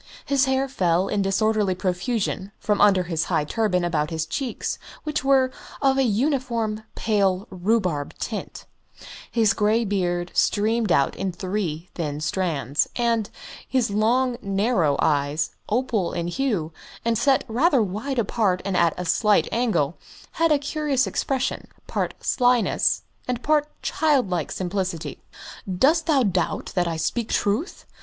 His hair fell in disorderly profusion from under his high turban about his cheeks, which were of a uniform pale rhubarb tint; his grey beard streamed out in three thin strands, and his long, narrow eyes, opal in hue, and set rather wide apart and at a slight angle, had a curious expression, part slyness and part childlike simplicity. "Dost thou doubt that I speak truth?